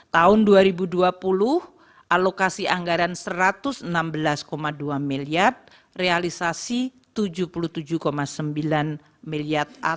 tahun dua ribu dua puluh alokasi anggaran rp satu ratus enam belas dua miliar realisasi rp tujuh puluh tujuh sembilan miliar